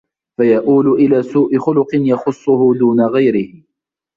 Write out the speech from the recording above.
فَيَؤُولُ إلَى سُوءِ خُلُقٍ يَخُصُّهُ دُونَ غَيْرِهِ